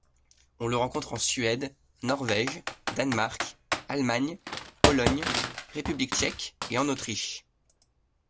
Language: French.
On le rencontre en Suède, Norvège, Danemark, Allemagne, Pologne, République Tchèque, et en Autriche.